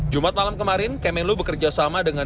jumat malam kemarin kmlu bekerja sama dengan